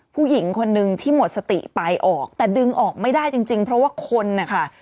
ผู้หญิงคนนึงที่หมดสติไปออกแต่ดึงออกไม่ได้จริงเพราะว่าคนนะคะ